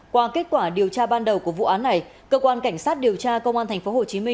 qua kết quả điều tra ban đầu của vụ án này cơ quan cảnh sát điều tra công an tp hcm